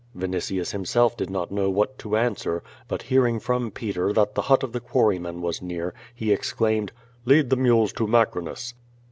Vinitius himself did not know what to answer, but hear ing from Peter that the hut of the quarryman was near, he exclaimed: "Lead the mules to Macrinus."